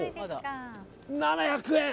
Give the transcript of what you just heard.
７００円。